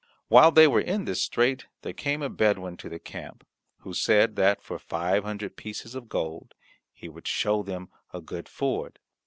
While they were in this strait there came a Bedouin to the camp, who said that for five hundred pieces of gold he would show them a good ford.